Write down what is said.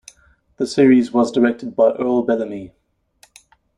The series was directed by Earl Bellamy.